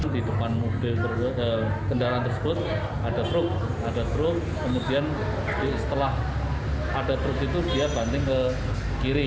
di depan mobil kendaraan tersebut ada truk ada truk kemudian setelah ada truk itu dia banting ke kiri